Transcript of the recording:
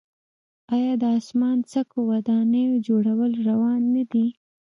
آیا د اسمان څکو ودانیو جوړول روان نه دي؟